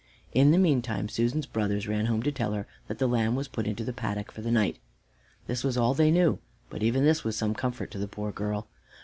In the meantime Susan's brothers ran home to tell her that the lamb was put into the paddock for the night. This was all they knew, but even this was some comfort to the poor girl.